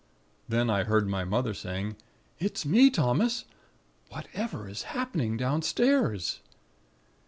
"Then I heard my mother saying: "'It's me, Thomas. Whatever is happening downstairs?'